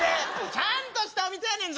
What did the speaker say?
ちゃんとしたお店やねんぞ！